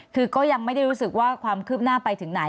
คือก็ยังไม่ได้รู้สึกว่าความคืบหน้าไปถึงไหน